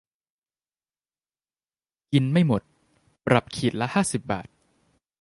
กินไม่หมด ปรับขีดละห้าสิบบาท